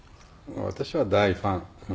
私は大ファン。